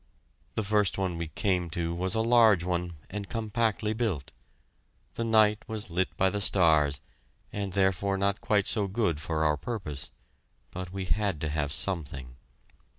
The first one we came to was a large one, and compactly built. The night was lit by the stars, and therefore not quite so good for our purpose, but we had to have something.